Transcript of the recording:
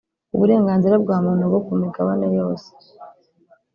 uburenganzira bwa muntu bo ku migabane yose